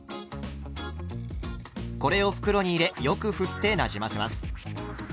これを袋に入れよくふってなじませます。